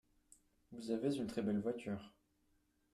Vous avez une très belle voiture.